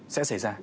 sẽ xảy ra